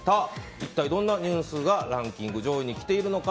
一体どんなニュースがランキング上位に来ているのか。